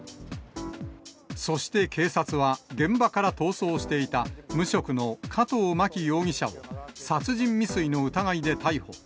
そして警察は現場から逃走していた無職の加藤真紀容疑者を、殺人未遂の疑いで逮捕。